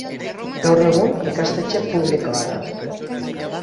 Gaur egun, ikastetxe publikoa da.